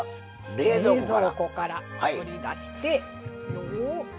冷蔵庫から取り出して。